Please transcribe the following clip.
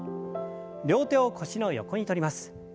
両手を腰の横にとります。